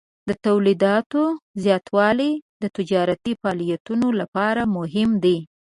د تولیداتو زیاتوالی د تجارتي فعالیتونو لپاره مهم دی.